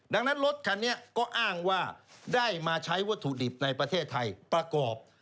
ดังนั้นรถคันนี้ก็อ้างว่าได้มาใช้วัตถุดิบในประเทศไทยประกอบ